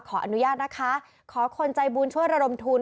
ขออนุญาตนะคะขอคนใจบุญช่วยระดมทุน